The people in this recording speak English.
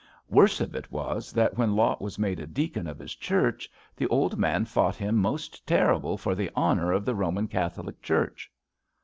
Worst of it was that when Lot was made a Deacon of his church, the old man fought him most terrible for the honour of the Boman Catholic Church.